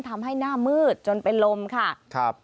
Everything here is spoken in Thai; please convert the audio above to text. ทำให้หน้ามืดจนเป็นลมค่ะครับ